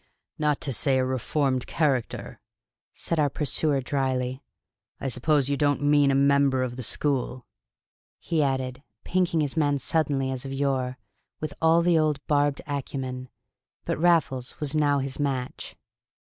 "Not to say a reformed character," said our pursuer dryly. "I suppose you don't mean a member of the school?" he added, pinking his man suddenly as of yore, with all the old barbed acumen. But Raffles was now his match.